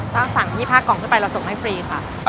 ถ้าสั่ง๒๕กล่องได้ไปเราส่งให้ฟรีค่ะ